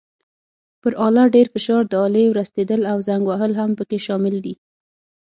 پر آله ډېر فشار، د آلې ورستېدل او زنګ وهل هم پکې شامل دي.